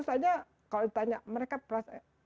kalau tanya mereka